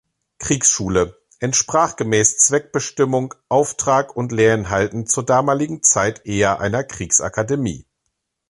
Kriegsschule" entsprach gemäß Zweckbestimmung, Auftrag und Lehrinhalten zur damaligen Zeit eher einer Kriegsakademie.